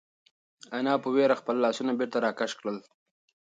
انا په وېره خپل لاسونه بېرته راکش کړل.